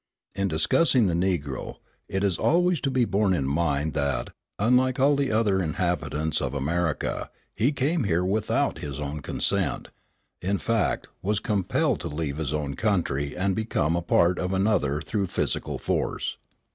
In discussing the Negro, it is always to be borne in mind that, unlike all the other inhabitants of America, he came here without his own consent; in fact, was compelled to leave his own country and become a part of another through physical force.